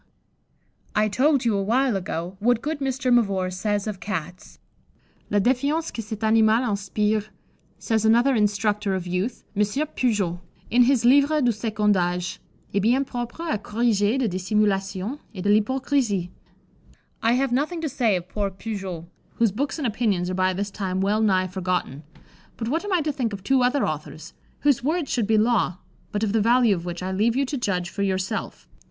_ I told you awhile ago what good Mr. Mavor says of Cats. "La défiance que cet animal inspire," says another instructor of youth, M. Pujoulx, in his Livre du Second Age, "est bien propre à corriger de dissimulation et de l'hypocrisie." I have nothing to say of poor Pujoulx, whose books and opinions are by this time well nigh forgotten; but what am I to think of two other authors, whose words should be law, but of the value of which I leave you to judge for yourself.